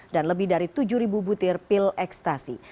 dan lebih dari tujuh butir pil ekstasi